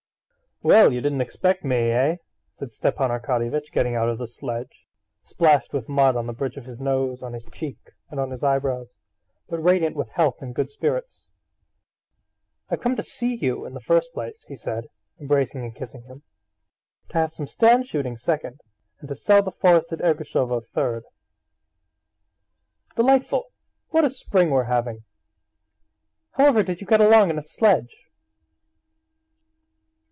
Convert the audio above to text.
"Well, you didn't expect me, eh?" said Stepan Arkadyevitch, getting out of the sledge, splashed with mud on the bridge of his nose, on his cheek, and on his eyebrows, but radiant with health and good spirits. "I've come to see you in the first place," he said, embracing and kissing him, "to have some stand shooting second, and to sell the forest at Ergushovo third." "Delightful! What a spring we're having! How ever did you get along in a sledge?"